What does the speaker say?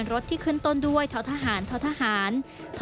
รถที่ขึ้นต้นด้วยทรทหารทททรทหารทท